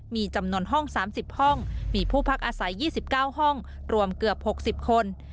มีจำนวนห้อง๓๐ห้องมีผู้พักอาศัย๒๙ห้องรวมเกือบ๖๐คน